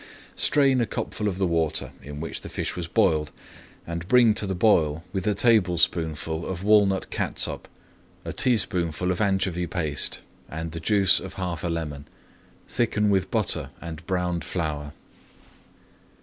Strain a cupful of the water in which the fish was boiled, and bring to the boil with a tablespoonful of walnut catsup, a teaspoonful of anchovy paste, and the juice of half a lemon. Thicken with butter and browned flour.